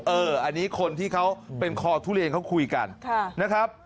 อันนี้คนที่เขาเป็นคอทุเรียนเขาคุยกันนะครับ